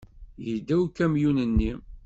Yedda ukamyun-nni.